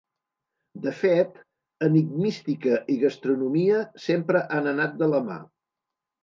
De fet, enigmística i gastronomia sempre han anat de la mà.